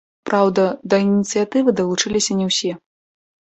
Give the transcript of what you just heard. Праўда, да ініцыятывы далучыліся не ўсе.